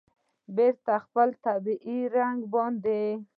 بېرته خپل طبیعي رنګ باندې